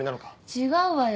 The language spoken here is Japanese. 違うわよ。